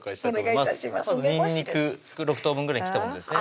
まずにんにく６等分ぐらいに切ったものですね